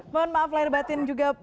mohon maaf lahir batin juga